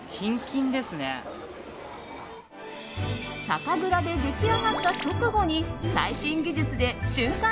酒蔵で出来上がった直後に最新技術で瞬間